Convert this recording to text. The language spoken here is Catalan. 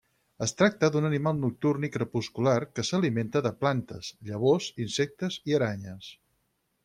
Es tracta d'un animal nocturn i crepuscular que s'alimenta de plantes, llavors, insectes i aranyes.